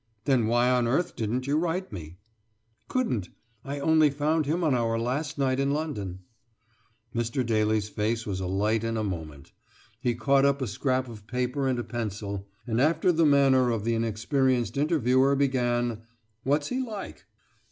"Then why on earth didn't you write me?" "Couldn't I only found him on our last night in London." Mr. Daly's face was alight in a moment. He caught up a scrap of paper and a pencil, and, after the manner of the inexperienced interviewer, began: "What's he like?"